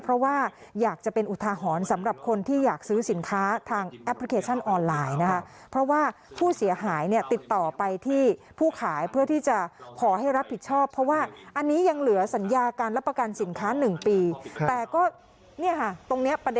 เพราะว่าอยากจะเป็นอุทาหรณ์สำหรับคนที่อยากซื้อสินค้าทางแอปพลิเคชันออนไลน์นะครับ